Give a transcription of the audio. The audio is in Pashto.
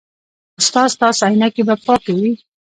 ایا ستاسو عینکې به پاکې وي؟